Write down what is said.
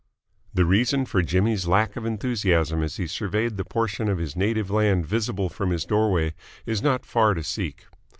The reason for Jimmy's lack of enthusiasm as he surveyed the portion of his native land visible from his doorway is not far to seek.